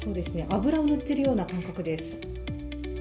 油を塗っているような感覚です。